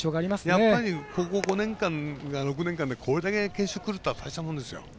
やっぱり、ここ５年間か６年間でこれだけ決勝くるとは大したもんですよ。